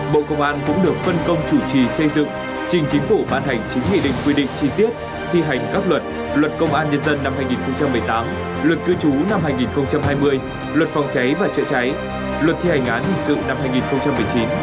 bộ công an cũng được phân công chủ trì xây dựng trình chính phủ ban hành chín nghị định quy định chi tiết thi hành các luật luật công an nhân dân năm hai nghìn một mươi tám luật cư trú năm hai nghìn hai mươi luật phòng cháy và chữa cháy luật thi hành án hình sự năm hai nghìn một mươi chín